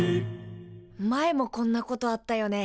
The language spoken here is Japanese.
前もこんなことあったよね。